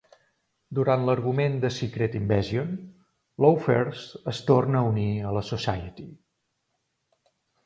Durant l'argument de Secret Invasion, Lawfers es torna a unir a la Society.